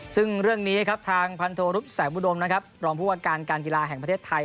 ซึ่งเรื่องนี้ทางพันธุรุษย์แสงบุดรมลองพบกันการกาลกีฬาแห่งประเทศไทย